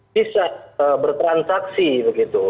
bisa bertransaksi begitu